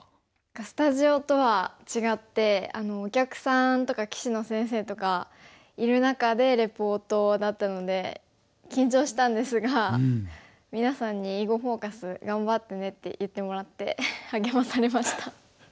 スタジオとは違ってお客さんとか棋士の先生とかいる中でレポートだったので緊張したんですがみなさんに「囲碁フォーカス」頑張ってねって言ってもらって励まされました。